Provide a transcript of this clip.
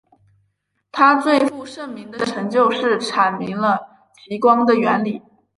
他最负盛名的成就是阐明了极光的原理。